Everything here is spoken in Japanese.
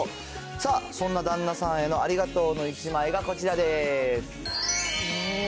さあ、そんな旦那さんへのありがとうの１枚がこちらです。